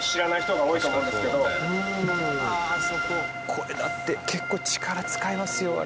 これだって結構力使いますよあれ。